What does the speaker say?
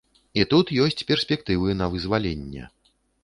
І тут ёсць перспектывы на вызваленне.